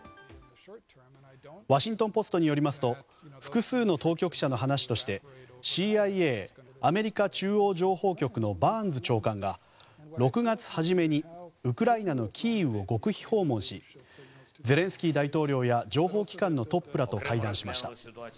ワシントン・ポストによりますと複数の当局者の話としてＣＩＡ・アメリカ中央情報局のバーンズ長官が、６月初めにウクライナのキーウを極秘訪問しゼレンスキー大統領や情報機関のトップらと会談しました。